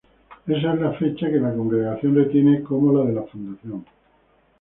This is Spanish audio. Esa es la fecha que la congregación retiene como la de la fundación.